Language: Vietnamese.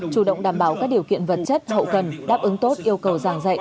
chủ động đảm bảo các điều kiện vật chất hậu cần đáp ứng tốt yêu cầu giảng dạy